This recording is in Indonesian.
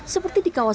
seperti di kabupaten